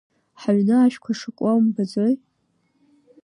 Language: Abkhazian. Ҳаҩны ашәқәа шакуа умбаӡои?